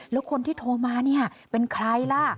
แล้วคนที่โทรมาเนี่ยเป็นใครล่ะ